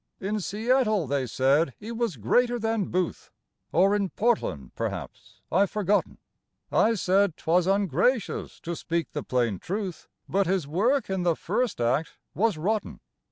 In Seattle they said he was greater than Booth, (Or in Portland, perhaps; I've forgotten); I said 'twas ungracious to speak the plain truth, But his work in the first act was rotten.